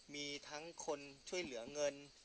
มีทั้งคนช่วยเหลือเงิน